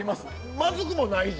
まずくもないし。